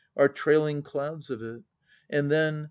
. our trailing clouds of it. ... And then.